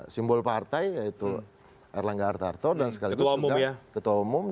simbol partai yaitu erlangga arta arta dan sekaligus ketua umum